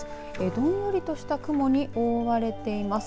どんよりとした雲に覆われています。